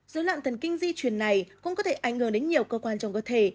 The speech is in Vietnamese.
dối loạn thần kinh di truyền này cũng có thể ảnh hưởng đến nhiều cơ quan trong cơ thể